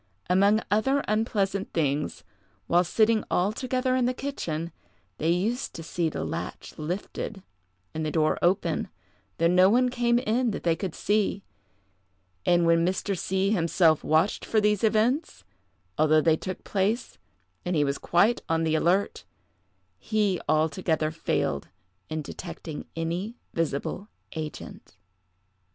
Among other unpleasant things, while sitting all together in the kitchen, they used to see the latch lifted and the door open, though no one came in that they could see; and when Mr. C—— himself watched for these events, although they took place, and he was quite on the alert, he altogether failed in detecting any visible agent.